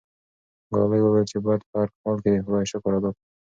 ګلالۍ وویل چې باید په هر حال کې د خدای شکر ادا کړو.